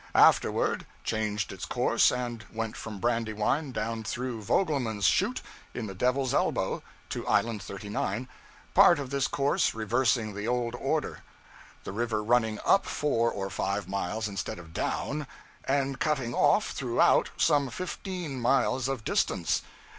Afterward, changed its course and went from Brandywine down through Vogelman's chute in the Devil's Elbow, to Island 39 part of this course reversing the old order; the river running up four or five miles, instead of down, and cutting off, throughout, some fifteen miles of distance.